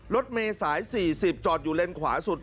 รถเมษาย๔๐จอดอยู่เลนขวาสุด